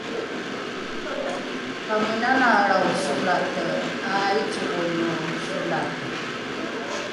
pamenanaelrao solate ’aaico’ono solate